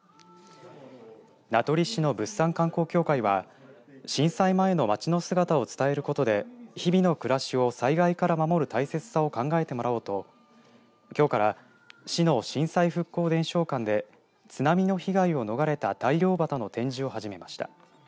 名取市の物産観光協会は震災前の街の姿を伝えることで日々の暮らしを災害から守る大切さを考えてもらおうと、きょうから市の震災復興伝承館で津波の被害を逃れた大漁旗の展示を始めました。